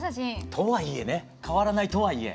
とはいえね変わらないとはいえ。